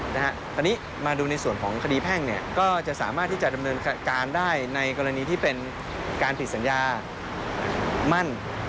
อันนี้มาดูในส่วนของคดีแพ่งก็จะสามารถที่จะดำเนินการได้ในกรณีที่เป็นการผิดสัญญามั่น